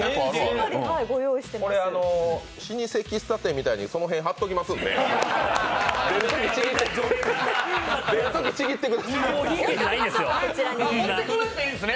老舗喫茶店みたいにその辺貼っときますんで、出るときにちぎっていくんです。